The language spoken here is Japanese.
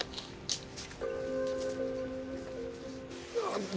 何だ？